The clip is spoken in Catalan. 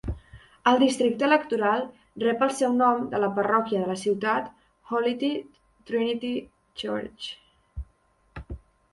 El districte electoral rep el seu nom de la parròquia de la ciutat, Holy Trinity Church.